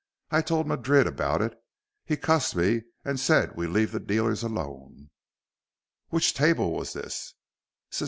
I told Madrid about it. He cussed me and said we leave the dealers alone." "Which table was this?"